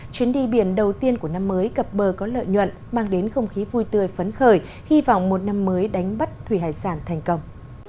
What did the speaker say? chuyến đi biển đầu tiên của năm mới cập bờ có lợi nhuận mang đến không khí vui tươi phấn khởi hy vọng một năm mới đánh bắt thủy hải sản thành công